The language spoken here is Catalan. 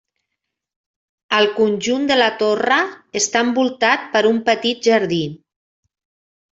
El conjunt de la torre està envoltat per un petit jardí.